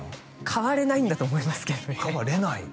変われないんだと思いますけどね変われない？